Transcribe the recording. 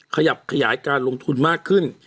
ขยับขยายการลงทุนมากขึ้น